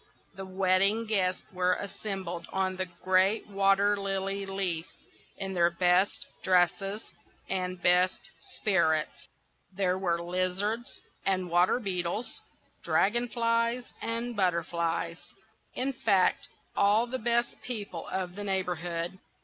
The wedding guests were assembled on the great water lily leaf, in their best dresses and best spirits. There were lizards and water beetles, dragon flies and butterflies,—in fact, all the best people of the neighbourhood.